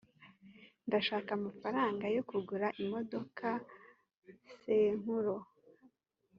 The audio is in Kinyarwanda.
ndashaka amafaranga yo kugura imodoka senkuro